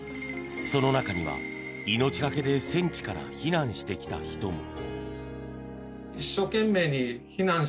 その中には、命がけで戦地から避難してきた人も。